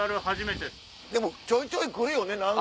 でもちょいちょい来るよね。